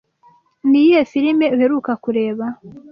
ni iyihe firime uheruka kureba